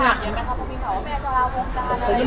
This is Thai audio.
พวกมันถามว่าแม่จะลาวงกานะ